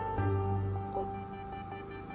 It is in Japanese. あっ。